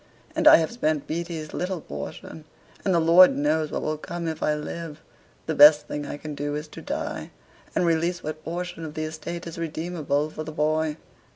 And I have spent Beaty's little portion: and the Lord knows what will come if I live; the best thing I can do is to die, and release what portion of the estate is redeemable for the boy."